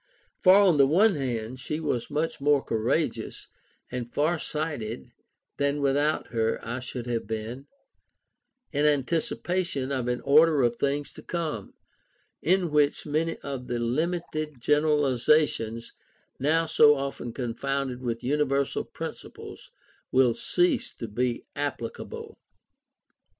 For, on the one hand, she was much more courageous and far sighted than without her I should have been, in anticipation of an order of things to come, in which many of the limited generalizations now so often confounded with universal principles will cease to be applicable.